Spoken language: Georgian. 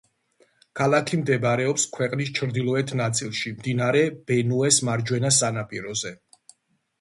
ქალაქი მდებარეობს ქვეყნის ჩრდილოეთ ნაწილში, მდინარე ბენუეს მარჯვენა სანაპიროზე.